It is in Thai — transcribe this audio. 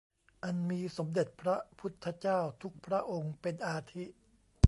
อันมีสมเด็จพระพุทธเจ้าทุกพระองค์เป็นอาทิ